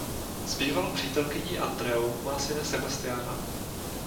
S bývalou přítelkyní Andreou má syna Sebastiana.